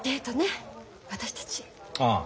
ああ。